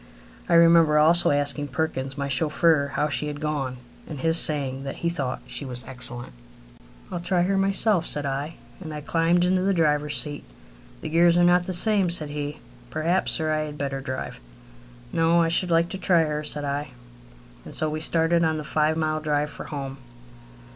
I remember also asking Perkins, my chauffeur, how she had gone, and his saying that he thought she was excellent. "I'll try her myself," said I, and I climbed into the driver's seat. "The gears are not the same," said he. "Perhaps, sir, I had better drive." "No; I should like to try her," said I. And so we started on the five mile drive for home.